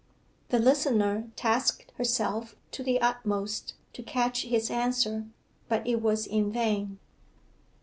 The listener tasked herself to the utmost to catch his answer, but it was in vain.